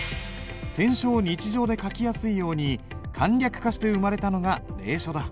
篆書を日常で書きやすいように簡略化して生まれたのが隷書だ。